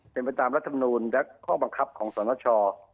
เป็นไปตามรัฐมนูลและข้อบังคับของสนช